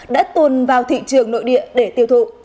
đã tuồn vào thị trường nội địa để tiêu thụ